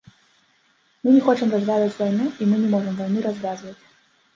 Мы не хочам развязваць вайну, і мы не можам вайну развязваць.